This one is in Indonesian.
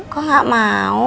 kok gak mau